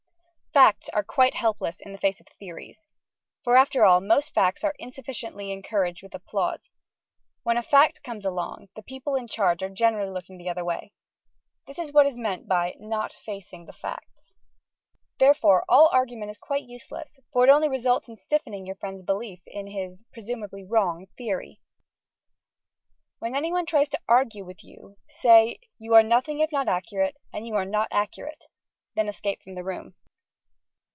Facts are quite helpless in the face of Theories. For after all, most Facts are insufficiently encouraged with applause. When a Fact comes along, the people in charge are generally looking the other way. This is what is meant by Not Facing the Facts. Therefore all argument is quite useless, for it only results in stiffening your friend's belief in his (presumably wrong) Theory. When any one tries to argue with you, say, "You are nothing if not accurate, and you are not accurate." Then escape from the room.